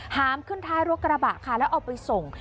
หามขึ้นท้ายรถกระบะค่ะแล้วเอาไปส่ง